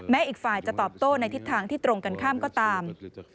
อีกฝ่ายจะตอบโต้ในทิศทางที่ตรงกันข้ามก็ตาม